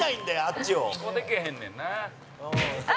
後藤：ここ、でけへんねんな。